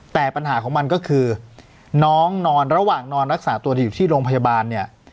แต่ปัญหาของมันก็คือน้องนอนระหว่างนอนรักษาตัวที่อยู่ที่โรงพยาบาลเนี่ย